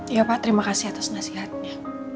ya pak terima kasih atas nasihatnya